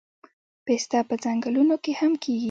پسته په ځنګلونو کې هم کیږي